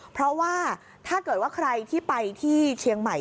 เพราะว่าถ้าเกิดว่าใครที่ไปที่เชียงใหม่